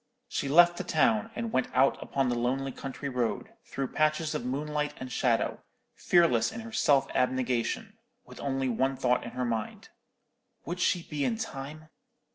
She left the town, and went out upon the lonely country road, through patches of moonlight and shadow, fearless in her self abnegation, with only one thought in her mind: "Would she be in time?"